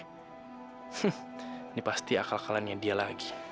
hmm ini pasti akal kalanya dia lagi